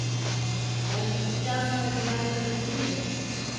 Ben gittikten sonra gelen kadın kimdi?